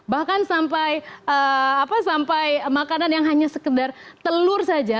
bahkan sampai makanan yang hanya sekedar telur saja